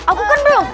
aku kan belum